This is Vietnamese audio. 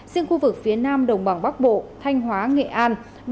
riêng khu vực phía nam đồng bằng bắc bộ thanh hóa nghệ an